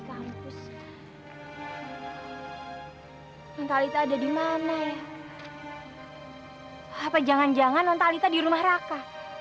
apa jangan jangan nontalita di rumah raka